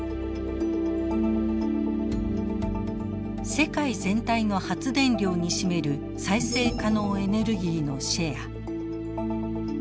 世界全体の発電量に占める再生可能エネルギーのシェア。